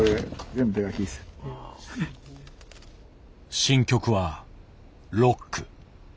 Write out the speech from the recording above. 新曲はロック。